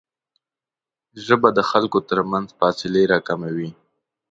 ژبه د خلکو ترمنځ فاصلې راکموي